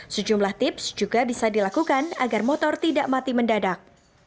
sejumlah tips juga bisa dilakukan agar motor tidak mati mendadak